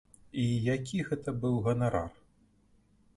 І які гэта быў ганарар?